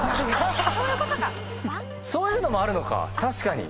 そういうのもあるのか。